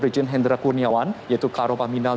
jenderal hendra kuniawan yaitu karo paminan